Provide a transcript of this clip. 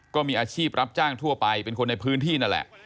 ก็มีอาชีพรับจ้างทั่วไปเป็นคนในพื้นที่นั่นแหละ